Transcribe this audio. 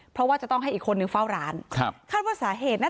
เพราะไม่เคยถามลูกสาวนะว่าไปทำธุรกิจแบบไหนอะไรยังไง